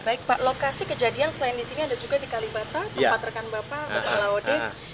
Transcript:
baik pak lokasi kejadian selain di sini ada juga di kalibata tempat rekan bapak laode